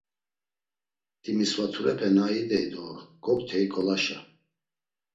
Timisvaturepe na idey do goktey golaşa.